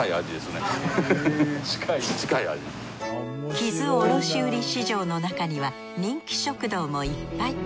木津卸売市場の中には人気食堂もいっぱい。